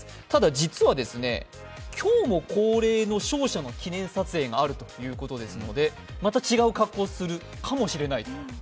ただ実は、今日も恒例の勝者の記念撮影があるということですので、また違う格好をするかもしれない。